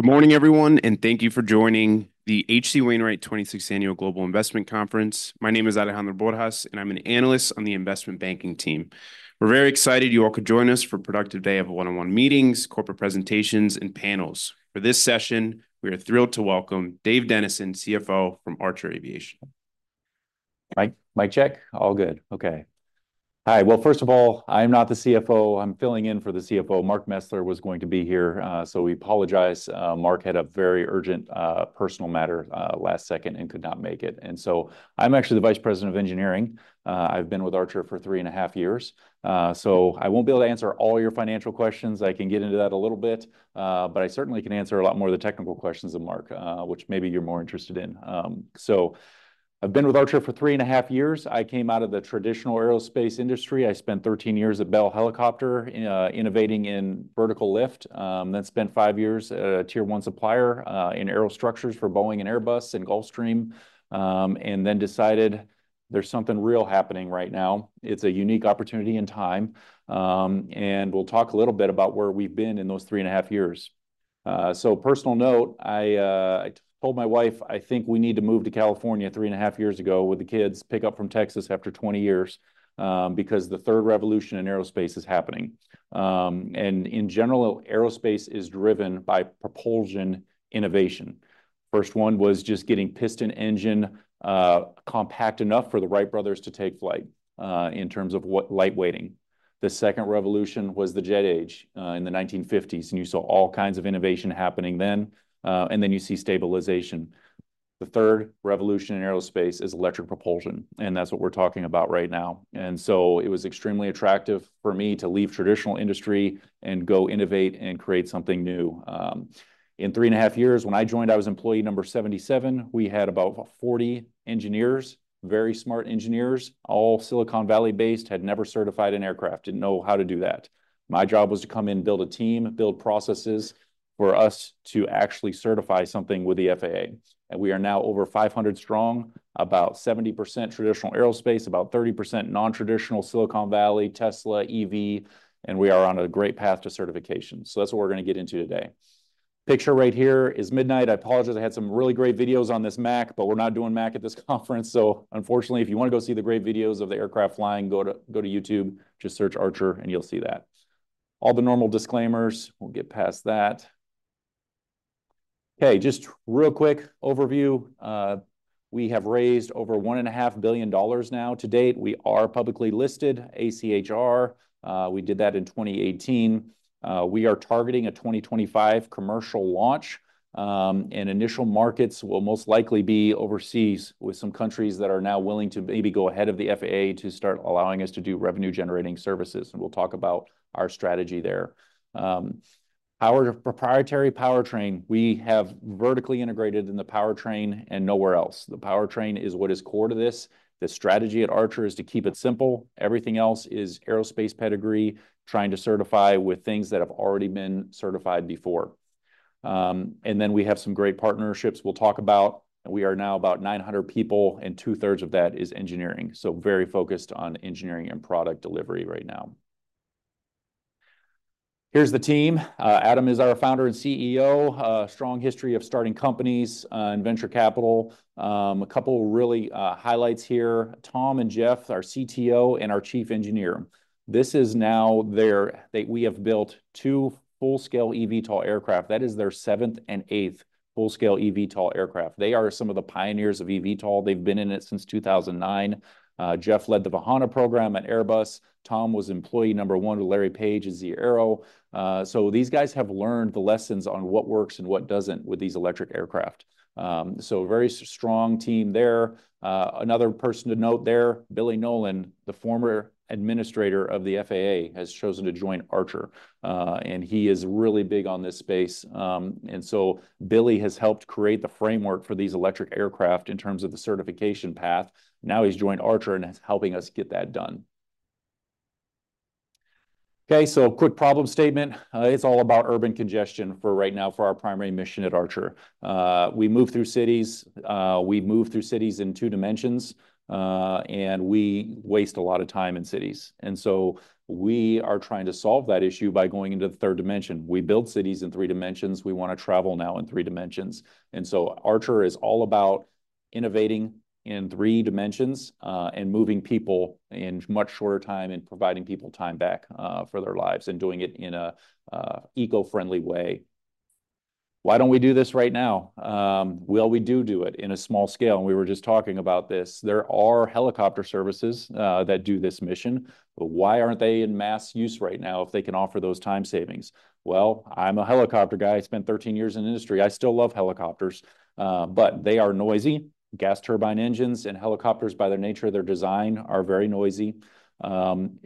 Good morning, everyone, and thank you for joining the H.C. Wainwright twenty-sixth Annual Global Investment Conference. My name is Alejandro Borjas, and I'm an analyst on the investment banking team. We're very excited you all could join us for a productive day of one-on-one meetings, corporate presentations, and panels. For this session, we are thrilled to welcome Dave Dennison, CFO from Archer Aviation. Mic, mic check? All good. Okay. Hi. Well, first of all, I'm not the CFO. I'm filling in for the CFO. Mark Mesler was going to be here, so we apologize. Mark had a very urgent personal matter last second and could not make it, and so I'm actually the Vice President of Engineering. I've been with Archer for three and a half years. So I won't be able to answer all your financial questions. I can get into that a little bit, but I certainly can answer a lot more of the technical questions than Mark, which maybe you're more interested in, so I've been with Archer for three and a half years. I came out of the traditional aerospace industry. I spent 13 years at Bell Helicopter, innovating in vertical lift, then spent five years at a tier one supplier, in aerostructures for Boeing and Airbus and Gulfstream. And then decided there's something real happening right now. It's a unique opportunity and time, and we'll talk a little bit about where we've been in those three and a half years. So personal note, I told my wife, "I think we need to move to California" three and a half years ago, with the kids, pick up from Texas after 20 years, because the third revolution in aerospace is happening. And in general, aerospace is driven by propulsion innovation. First one was just getting piston engine, compact enough for the Wright brothers to take flight, in terms of lightweighting. The second revolution was the jet age in the 1950s, and you saw all kinds of innovation happening then, and then you see stabilization. The third revolution in aerospace is electric propulsion, and that's what we're talking about right now. And so it was extremely attractive for me to leave traditional industry and go innovate and create something new. In three and a half years, when I joined, I was employee number 77. We had about 40 engineers, very smart engineers, all Silicon Valley-based, had never certified an aircraft, didn't know how to do that. My job was to come in, build a team, build processes for us to actually certify something with the FAA. And we are now over 500 strong, about 70% traditional aerospace, about 30% non-traditional Silicon Valley, Tesla, EV, and we are on a great path to certification. So that's what we're gonna get into today. Picture right here is Midnight. I apologize. I had some really great videos on this Mac, but we're not doing Mac at this conference. So unfortunately, if you wanna go see the great videos of the aircraft flying, go to, go to YouTube, just search Archer, and you'll see that. All the normal disclaimers, we'll get past that. Okay, just real quick overview, we have raised over $1.5 billion now to date. We are publicly listed, ACHR. We did that in 2018. We are targeting a 2025 commercial launch, and initial markets will most likely be overseas, with some countries that are now willing to maybe go ahead of the FAA to start allowing us to do revenue-generating services, and we'll talk about our strategy there. Our proprietary powertrain, we have vertically integrated in the powertrain and nowhere else. The powertrain is what is core to this. The strategy at Archer is to keep it simple. Everything else is aerospace pedigree, trying to certify with things that have already been certified before, and then we have some great partnerships we'll talk about, and we are now about 900 people, and two-thirds of that is engineering, so very focused on engineering and product delivery right now. Here's the team. Adam is our founder and CEO, a strong history of starting companies in venture capital. A couple of really highlights here, Tom and Geoff, our CTO and our Chief Engineer. This is now their. We have built two full-scale eVTOL aircraft. That is their seventh and eighth full-scale eVTOL aircraft. They are some of the pioneers of eVTOL. They've been in it since 2009. Geoff led the Vahana program at Airbus. Tom was employee number one with Larry Page at Zee.Aero. So these guys have learned the lessons on what works and what doesn't with these electric aircraft. So a very strong team there. Another person to note there, Billy Nolen, the former administrator of the FAA, has chosen to join Archer, and he is really big on this space. And so Billy has helped create the framework for these electric aircraft in terms of the certification path. Now he's joined Archer and is helping us get that done. Okay, so quick problem statement, it's all about urban congestion for right now, for our primary mission at Archer. We move through cities in two dimensions, and we waste a lot of time in cities, so we are trying to solve that issue by going into the third dimension. We build cities in three dimensions. We wanna travel now in three dimensions. So Archer is all about innovating in three dimensions, and moving people in much shorter time, and providing people time back, for their lives, and doing it in a eco-friendly way. Why don't we do this right now? We do it in a small scale, and we were just talking about this. There are helicopter services that do this mission, but why aren't they in mass use right now if they can offer those time savings? I'm a helicopter guy. I spent thirteen years in the industry. I still love helicopters, but they are noisy. Gas turbine engines and helicopters, by their nature of their design, are very noisy.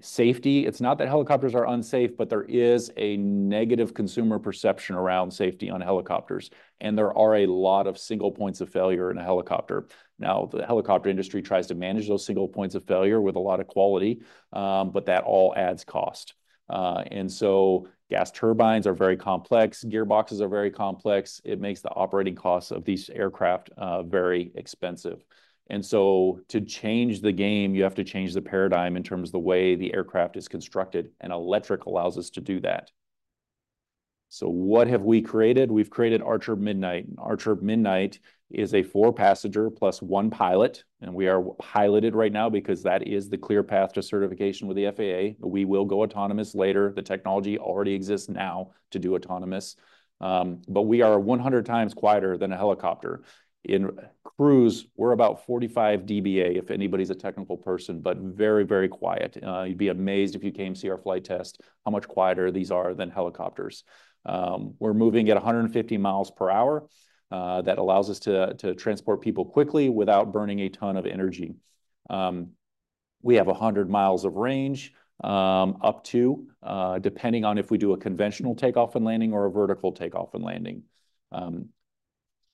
Safety, it's not that helicopters are unsafe, but there is a negative consumer perception around safety on helicopters, and there are a lot of single points of failure in a helicopter. Now, the helicopter industry tries to manage those single points of failure with a lot of quality, but that all adds cost, and so gas turbines are very complex. Gearboxes are very complex. It makes the operating costs of these aircraft very expensive, and so to change the game, you have to change the paradigm in terms of the way the aircraft is constructed, and electric allows us to do that... So what have we created? We've created Archer Midnight. Archer Midnight is a four-passenger plus one pilot, and we are piloted right now because that is the clear path to certification with the FAA. We will go autonomous later. The technology already exists now to do autonomous. But we are 100 times quieter than a helicopter. In cruise, we're about 45 dBA, if anybody's a technical person, but very, very quiet. You'd be amazed if you came to see our flight test, how much quieter these are than helicopters. We're moving at 150 miles per hour. That allows us to transport people quickly without burning a ton of energy. We have 100 miles of range, up to, depending on if we do a conventional takeoff and landing or a vertical takeoff and landing.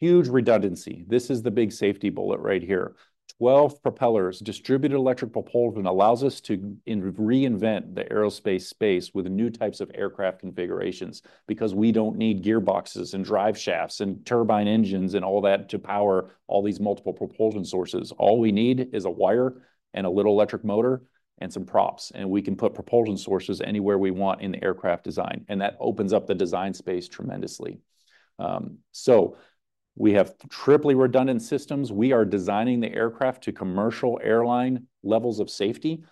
Huge redundancy, this is the big safety bullet right here. Twelve propellers, distributed electric propulsion allows us to reinvent the aerospace space with new types of aircraft configurations because we don't need gearboxes, and drive shafts, and turbine engines, and all that to power all these multiple propulsion sources. All we need is a wire, and a little electric motor, and some props, and we can put propulsion sources anywhere we want in the aircraft design, and that opens up the design space tremendously. So we have triply redundant systems. We are designing the aircraft to commercial airline levels of safety.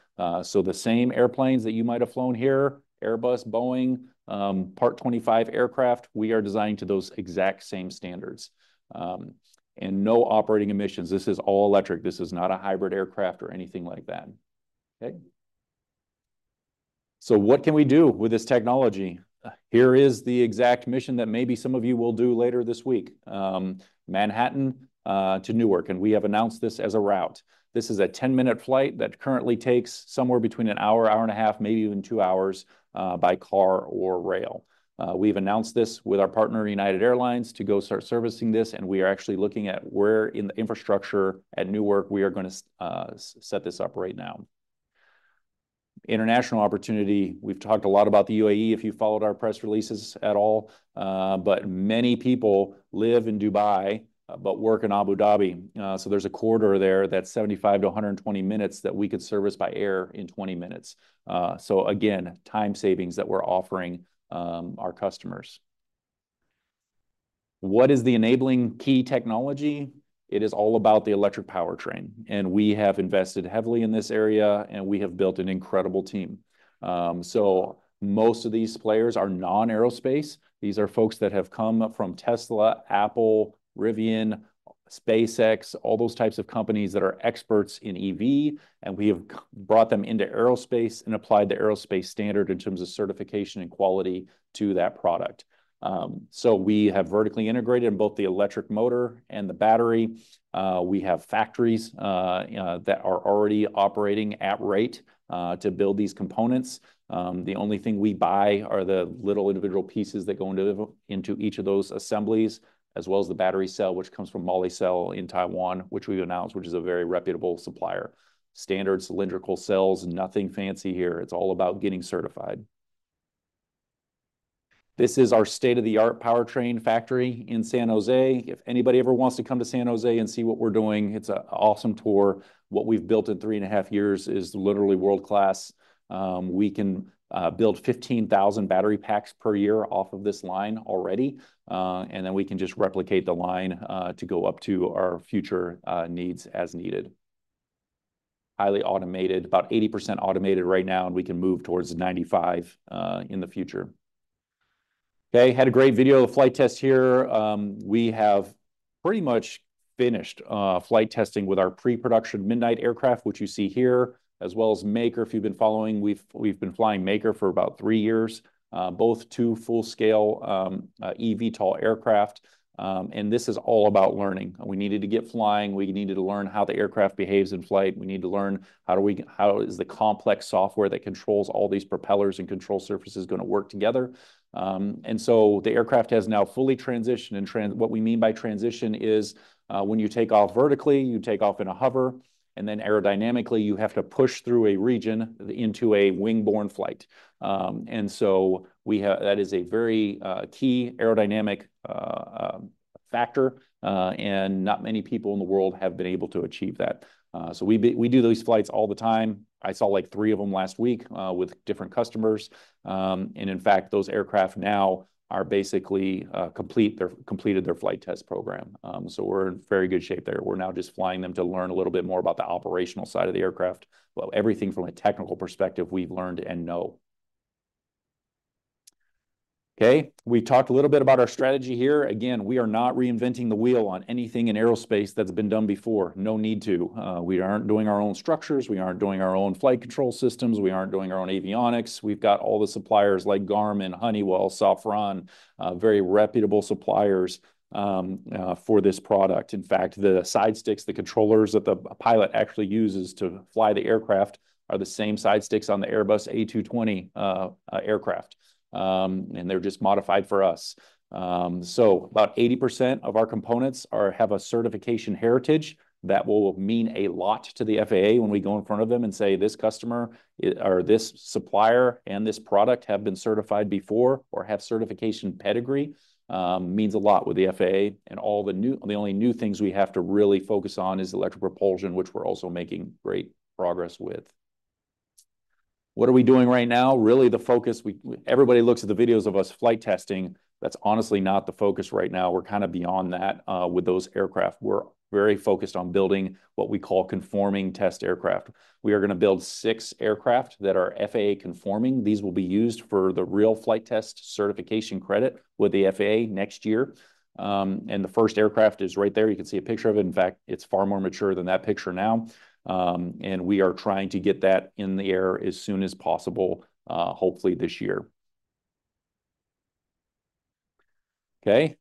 So the same airplanes that you might have flown here, Airbus, Boeing, Part 25 aircraft, we are designing to those exact same standards, and no operating emissions. This is all electric. This is not a hybrid aircraft or anything like that. Okay? What can we do with this technology? Here is the exact mission that maybe some of you will do later this week. Manhattan to Newark, and we have announced this as a route. This is a 10-minute flight that currently takes somewhere between an hour, hour and a half, maybe even two hours, by car or rail. We've announced this with our partner, United Airlines, to go start servicing this, and we are actually looking at where in the infrastructure at Newark we are gonna set this up right now. International opportunity, we've talked a lot about the UAE, if you followed our press releases at all. Many people live in Dubai, but work in Abu Dhabi. So there's a corridor there that's 75-120 minutes that we could service by air in 20 minutes. So again, time savings that we're offering our customers. What is the enabling key technology? It is all about the electric powertrain, and we have invested heavily in this area, and we have built an incredible team. So most of these players are non-aerospace. These are folks that have come from Tesla, Apple, Rivian, SpaceX, all those types of companies that are experts in EV, and we have brought them into aerospace, and applied the aerospace standard in terms of certification and quality to that product. So we have vertically integrated in both the electric motor and the battery. We have factories that are already operating at rate to build these components. The only thing we buy are the little individual pieces that go into each of those assemblies, as well as the battery cell, which comes from Molicel in Taiwan, which we've announced, which is a very reputable supplier. Standard cylindrical cells, nothing fancy here. It's all about getting certified. This is our state-of-the-art powertrain factory in San Jose. If anybody ever wants to come to San Jose and see what we're doing, it's an awesome tour. What we've built in three and a half years is literally world-class. We can build 15,000 battery packs per year off of this line already, and then we can just replicate the line to go up to our future needs as needed. Highly automated, about 80% automated right now, and we can move towards 95% in the future. Okay, had a great video of the flight test here. We have pretty much finished flight testing with our pre-production Midnight aircraft, which you see here, as well as Maker. If you've been following, we've been flying Maker for about three years. Both two full-scale eVTOL aircraft, and this is all about learning. We needed to get flying. We needed to learn how the aircraft behaves in flight. We need to learn how is the complex software that controls all these propellers and control surfaces gonna work together? And so the aircraft has now fully transitioned and what we mean by transition is, when you take off vertically, you take off in a hover, and then aerodynamically, you have to push through a region into a wing-borne flight. That is a very key aerodynamic factor, and not many people in the world have been able to achieve that. So we do these flights all the time. I saw, like, three of them last week with different customers. And in fact, those aircraft now are basically complete. They've completed their flight test program. So we're in very good shape there. We're now just flying them to learn a little bit more about the operational side of the aircraft, while everything from a technical perspective, we've learned and know. Okay, we talked a little bit about our strategy here. Again, we are not reinventing the wheel on anything in aerospace that's been done before. No need to. We aren't doing our own structures. We aren't doing our own flight control systems. We aren't doing our own avionics. We've got all the suppliers like Garmin, Honeywell, Safran, very reputable suppliers, for this product. In fact, the sidesticks, the controllers that the pilot actually uses to fly the aircraft, are the same sidesticks on the Airbus A220, aircraft, and they're just modified for us. So about 80% of our components have a certification heritage. That will mean a lot to the FAA when we go in front of them and say, "This customer or this supplier and this product have been certified before or have certification pedigree." Means a lot with the FAA, and the only new things we have to really focus on is electric propulsion, which we're also making great progress with. What are we doing right now? Really, the focus everybody looks at the videos of us flight testing. That's honestly not the focus right now. We're kind of beyond that with those aircraft. We're very focused on building what we call conforming test aircraft. We are gonna build six aircraft that are FAA-conforming. These will be used for the real flight test certification credit with the FAA next year. And the first aircraft is right there. You can see a picture of it. In fact, it's far more mature than that picture now. And we are trying to get that in the air as soon as possible, hopefully this year. Okay?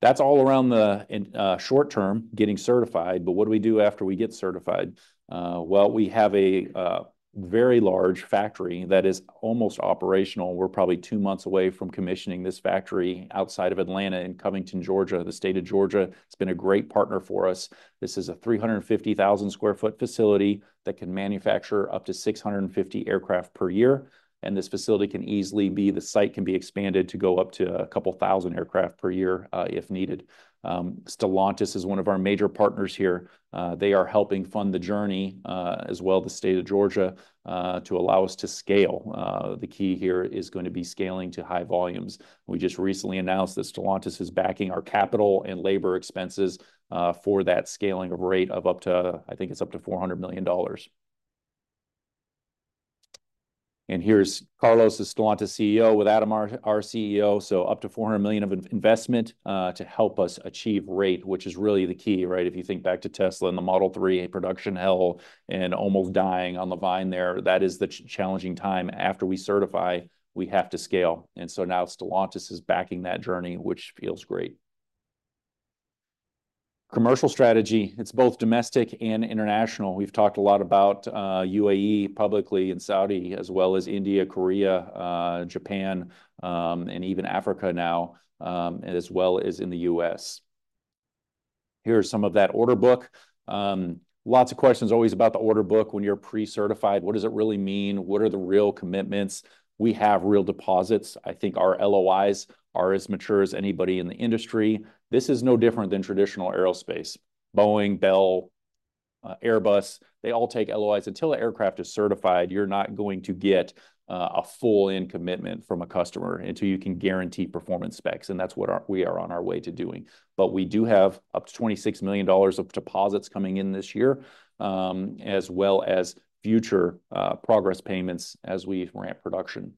That's all around the end in the short term, getting certified, but what do we do after we get certified? Well, we have a very large factory that is almost operational. We're probably two months away from commissioning this factory outside of Atlanta in Covington, Georgia. The state of Georgia has been a great partner for us. This is a 350,000 sq ft facility that can manufacture up to 650 aircraft per year, and this facility can easily be. The site can be expanded to go up to a couple thousand aircraft per year, if needed. Stellantis is one of our major partners here. They are helping fund the journey, as well, the state of Georgia, to allow us to scale. The key here is going to be scaling to high volumes. We just recently announced that Stellantis is backing our capital and labor expenses, for that scaling of rate of up to, I think it's up to $400 million. Here's Carlos, the Stellantis CEO, with Adam, our CEO, so up to $400 million in investment to help us achieve rate, which is really the key, right? If you think back to Tesla and the Model 3 production hell, and almost dying on the vine there, that is the challenging time. After we certify, we have to scale, and so now Stellantis is backing that journey, which feels great. Commercial strategy, it's both domestic and international. We've talked a lot about UAE publicly, and Saudi, as well as India, Korea, Japan, and even Africa now, as well as in the US. Here are some of that order book. Lots of questions always about the order book. When you're pre-certified, what does it really mean? What are the real commitments? We have real deposits. I think our LOIs are as mature as anybody in the industry. This is no different than traditional aerospace. Boeing, Bell, Airbus, they all take LOIs. Until the aircraft is certified, you're not going to get a full-in commitment from a customer, until you can guarantee performance specs, and that's what we are on our way to doing. But we do have up to $26 million of deposits coming in this year, as well as future progress payments as we ramp production.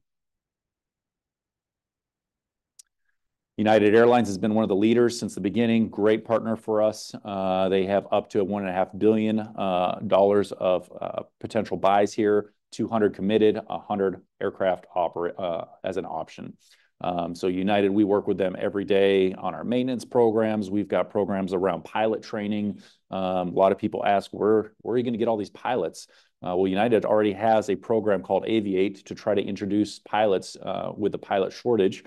United Airlines has been one of the leaders since the beginning, great partner for us. They have up to $1.5 billion of potential buys here, 200 committed, 100 aircraft as an option. So United, we work with them every day on our maintenance programs. We've got programs around pilot training. A lot of people ask, "Where, where are you gonna get all these pilots?" Well, United already has a program called Aviate to try to introduce pilots with the pilot shortage.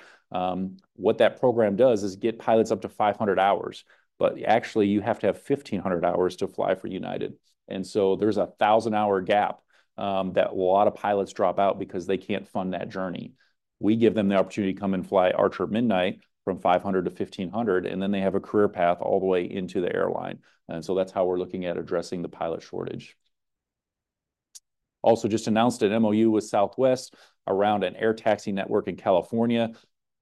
What that program does is get pilots up to five hundred hours, but actually, you have to have fifteen hundred hours to fly for United, and so there's a thousand-hour gap that a lot of pilots drop out, because they can't fund that journey. We give them the opportunity to come and fly Archer Midnight from five hundred to fifteen hundred, and then they have a career path all the way into the airline, and so that's how we're looking at addressing the pilot shortage. Also just announced an MOU with Southwest around an air taxi network in California.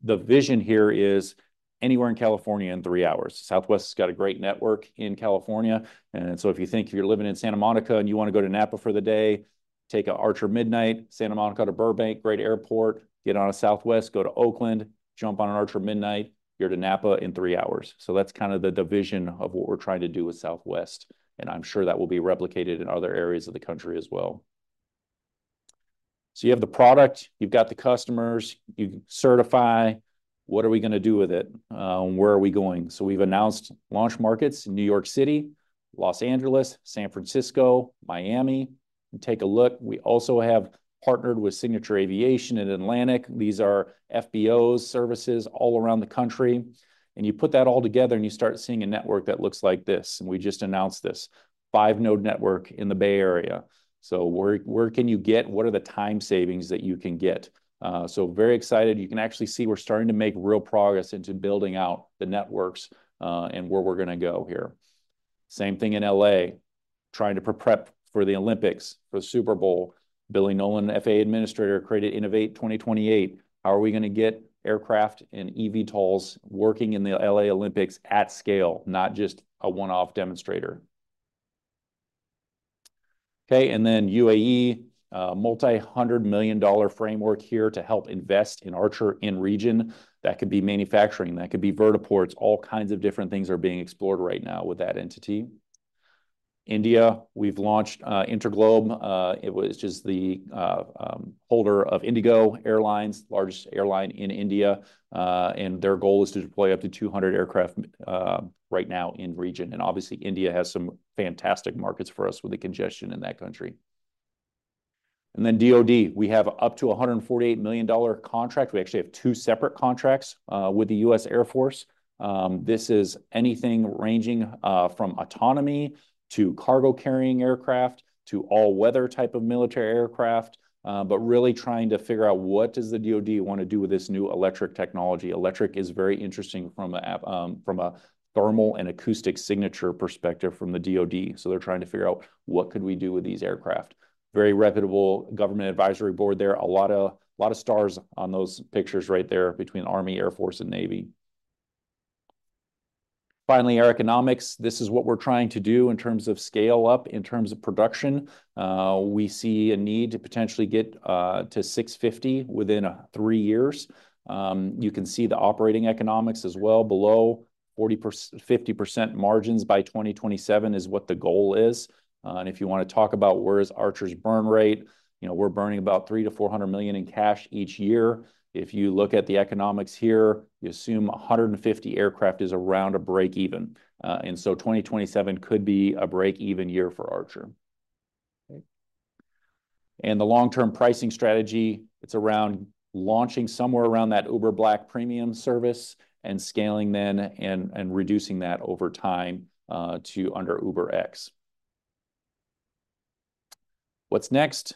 The vision here is anywhere in California in three hours. Southwest has got a great network in California, and so if you think you're living in Santa Monica, and you want to go to Napa for the day, take a Archer Midnight, Santa Monica to Burbank, great airport, get on a Southwest, go to Oakland, jump on an Archer Midnight, you're to Napa in three hours. So that's kind of the division of what we're trying to do with Southwest, and I'm sure that will be replicated in other areas of the country as well. So you have the product, you've got the customers, you certify. What are we gonna do with it? Where are we going? So we've announced launch markets in New York City, Los Angeles, San Francisco, Miami. Take a look, we also have partnered with Signature Aviation and Atlantic Aviation. These are FBOs, services all around the country, and you put that all together, and you start seeing a network that looks like this, and we just announced this five-node network in the Bay Area. So where can you get what are the time savings that you can get? So very excited. You can actually see we're starting to make real progress into building out the networks, and where we're gonna go here. Same thing in LA, trying to prep for the Olympics, for the Super Bowl. Billy Nolen, the FAA administrator, created Innovate 2028. How are we gonna get aircraft and eVTOLs working in the LA Olympics at scale, not just a one-off demonstrator? Okay, and then UAE, a $multi-hundred-million-dollar framework here to help invest in Archer in region. That could be manufacturing, that could be vertiports. All kinds of different things are being explored right now with that entity. India, we've launched InterGlobe. It was just the holder of IndiGo Airlines, the largest airline in India, and their goal is to deploy up to 200 Midnight aircraft right now in the region, and obviously India has some fantastic markets for us with the congestion in that country, and then DoD, we have up to a $148 million contract. We actually have two separate contracts with the U.S. Air Force. This is anything ranging from autonomy to cargo-carrying aircraft to all-weather type of military aircraft, but really trying to figure out what does the DoD want to do with this new electric technology? Electric is very interesting from a thermal and acoustic signature perspective from the DoD, so they're trying to figure out what could we do with these aircraft. Very reputable government advisory board there. A lot of stars on those pictures right there between Army, Air Force, and Navy.... Finally, our economics, this is what we're trying to do in terms of scale up, in terms of production. We see a need to potentially get to 650 within three years. You can see the operating economics as well, below 40-50% margins by 2027 is what the goal is. And if you want to talk about where is Archer's burn rate, you know, we're burning about $300-$400 million in cash each year. If you look at the economics here, you assume a hundred and fifty aircraft is around a break-even. And so 2027 could be a break-even year for Archer. The long-term pricing strategy, it's around launching somewhere around that Uber Black premium service and scaling then, and reducing that over time, to underUberX. What's next?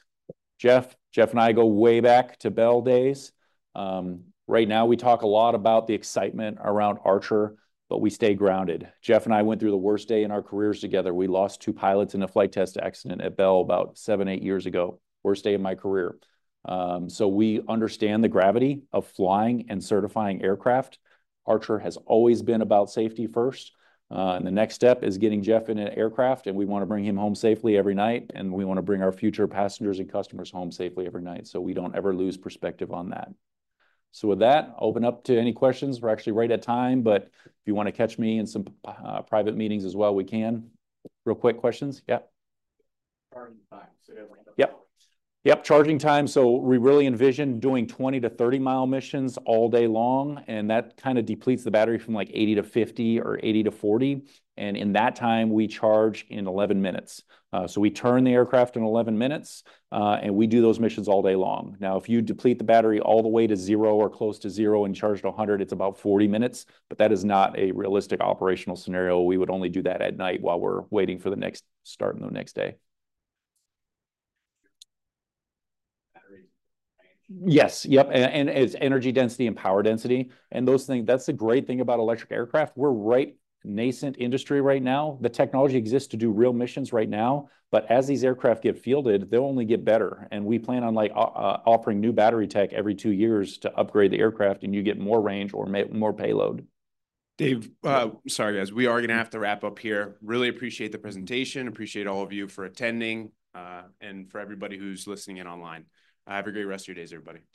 Geoff. Geoff and I go way back to Bell days. Right now we talk a lot about the excitement around Archer, but we stay grounded. Geoff and I went through the worst day in our careers together. We lost two pilots in a flight test accident at Bell about seven, eight years ago. Worst day of my career. So we understand the gravity of flying and certifying aircraft. Archer has always been about safety first. And the next step is getting Geoff in an aircraft, and we want to bring him home safely every night, and we want to bring our future passengers and customers home safely every night, so we don't ever lose perspective on that. So with that, I'll open up to any questions. We're actually right at time, but if you want to catch me in some private meetings as well, we can. Real quick questions? Yeah. Charging time, so everything- Yep. Yep, charging time. So we really envision doing 20-30-mile missions all day long, and that kind of depletes the battery from, like, 80-50 or 80-40, and in that time, we charge in 11 minutes. So we turn the aircraft in 11 minutes, and we do those missions all day long. Now, if you deplete the battery all the way to 0 or close to 0 and charge to 100, it's about 40 minutes, but that is not a realistic operational scenario. We would only do that at night while we're waiting for the next day. Batteries- Yes. Yep, and it's energy density and power density, and those things. That's the great thing about electric aircraft. We're a nascent industry right now. The technology exists to do real missions right now, but as these aircraft get fielded, they'll only get better, and we plan on, like, offering new battery tech every two years to upgrade the aircraft, and you get more range or more payload. Dave, sorry, guys, we are gonna have to wrap up here. Really appreciate the presentation, appreciate all of you for attending, and for everybody who's listening in online. Have a great rest of your days, everybody.